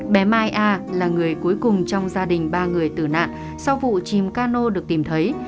bé mai a là người cuối cùng trong gia đình ba người tử nạn sau vụ chìm cano được tìm thấy